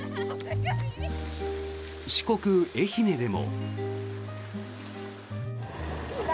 四国・愛媛でも。